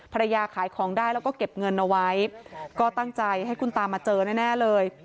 ขายของได้แล้วก็เก็บเงินเอาไว้ก็ตั้งใจให้คุณตามาเจอแน่เลย